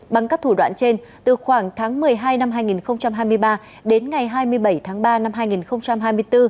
bằng các thủ đoạn trên từ khoảng tháng một mươi hai năm hai nghìn hai mươi ba đến ngày hai mươi bảy tháng ba năm hai nghìn hai mươi bốn